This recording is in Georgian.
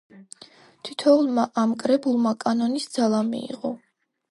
თითოეულმა ამ კრებულმა კანონის ძალა მიიღო.